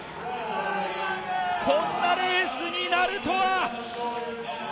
こんなレースになるとは。